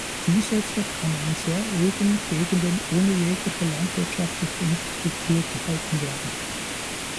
Zusätzlich kann er in sehr öden Gegenden ohne jegliche landwirtschaftliche Infrastruktur gehalten werden.